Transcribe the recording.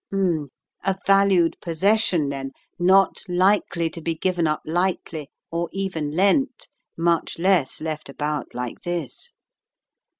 H'mn — a valued possession^ then, not likely to be given up lightly, or even lent, much less left about like this.